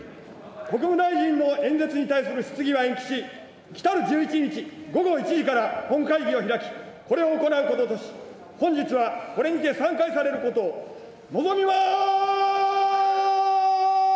国務大臣の演説に対する質疑は延期し、来る１１日午後１時から本会議を開き、これを行うこととし、本日はこれにて散会されることを望みます。